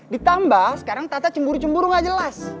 ditambah sekarang tata cemburu cemburu nggak jelas